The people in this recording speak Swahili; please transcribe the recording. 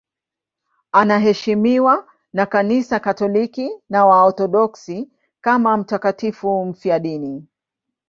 Anaheshimiwa na Kanisa Katoliki na Waorthodoksi kama mtakatifu mfiadini.